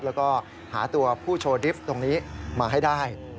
แล้วก็หาตัวผู้โชว์ดิฟต์ตรงนี้มาให้ได้